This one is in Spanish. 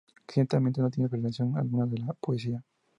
Ciertamente no tienen relación alguna con la "poesía".